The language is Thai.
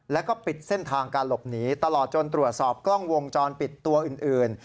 แล้วก็ปิดเส้นทางการหลบหนีตลอดจนตรวจสอบกล้องวงจรปิดตัวอื่น